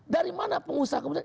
dari mana pengusaha kebutuhan